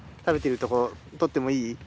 食べてるところ撮ってもいい？